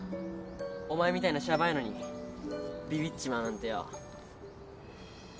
お前みたいなシャバいのにビビっちまうなんてよ。